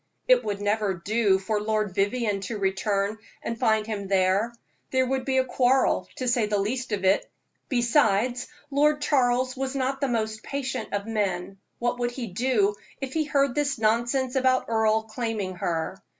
It would never do for Lord Vivianne to return and find him there; there would be a quarrel, to say the least of it. Besides, Lord Charles was not the most patient of men. What would he do if he heard this nonsense about Earle claiming her?